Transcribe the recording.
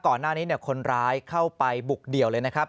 ก่อนหน้านี้คนร้ายเข้าไปบุกเดี่ยวเลยนะครับ